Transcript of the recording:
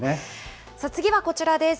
次はこちらです。